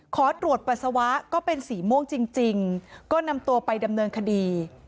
ขอตรวจปัสสาวะก็เป็นสีม่วงจริงก็นำตัวไปดำเนินคดี